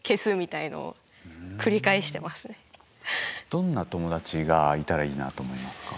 どんな友達がいたらいいなと思いますか？